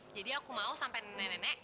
jadi aku mau sampe nenek nenek